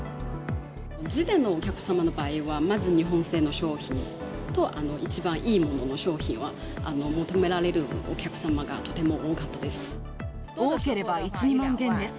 自店のお客様の場合は、まず日本製の商品と一番いいものの商品は、求められるお客様がと多ければ１、２万元です。